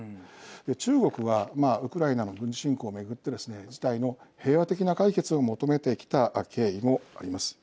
中国はウクライナの軍事侵攻を巡ってですね事態の平和的な解決を求めてきた経緯もあります。